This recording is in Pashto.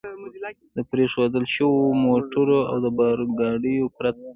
د پرېښوول شوو موټرو او د بار ګاډیو پرته.